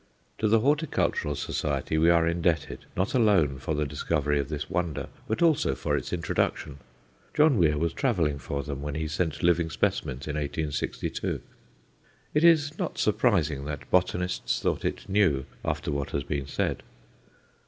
To the Horticultural Society we are indebted, not alone for the discovery of this wonder, but also for its introduction. John Weir was travelling for them when he sent living specimens in 1862. It is not surprising that botanists thought it new after what has been said.